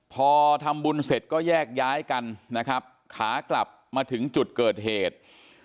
พอทำบุญเสร็จก็แยกย้ายกันนะครับขากลับมาถึงจุดเกิดเหตุ